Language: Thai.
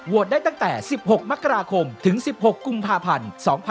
ได้ตั้งแต่๑๖มกราคมถึง๑๖กุมภาพันธ์๒๕๖๒